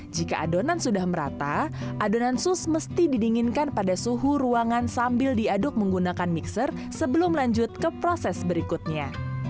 jika adonan sudah merata adonan sus mesti didinginkan pada suhu ruangan sambil diaduk menggunakan mixer sebelum lanjut ke proses berikutnya